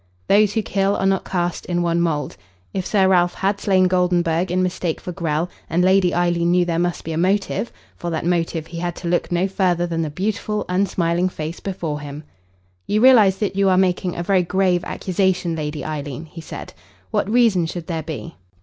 Those who kill are not cast in one mould. If Sir Ralph had slain Goldenburg in mistake for Grell, and Lady Eileen knew there must be a motive for that motive he had to look no further than the beautiful, unsmiling face before him. "You realise that you are making a very grave accusation, Lady Eileen?" he said. "What reason should there be?"